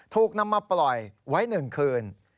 ถูกนำมาปล่อยไว้๑คืน